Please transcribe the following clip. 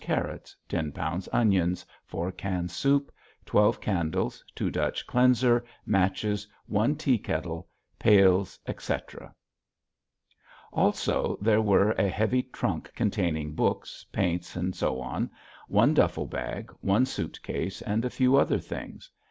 carrots 10 lbs. onions 4 cans soup 12 candles 2 Dutch Cleanser Matches 1 tea kettle Pails, etc. Also there were a heavy trunk containing books, paints, etc., one duffel bag, one suit case, and a few other things.